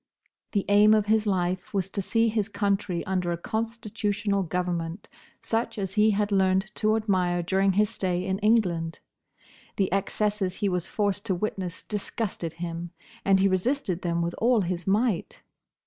The aim of his life was to see his country under a constitutional government, such as he had learnt to admire during his stay in England. The excesses he was forced to witness disgusted him, and he resisted them with all his might."